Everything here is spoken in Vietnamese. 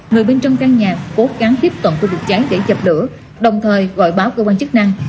người bên trong căn nhà cố gắn tiếp toàn cơ vực cháy để dập lửa đồng thời gọi báo cơ quan chức năng